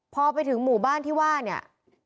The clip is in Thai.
พอไปถึงหมู่บ้านที่ว่าเนี่ย